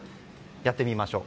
やってみましょう。